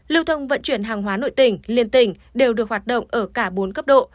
lưu thông vận chuyển hàng hóa nội tỉnh liên tỉnh đều được hoạt động ở cả bốn cấp độ